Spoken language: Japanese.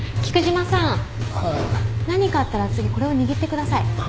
菊島さん何かあったら次これを握ってください。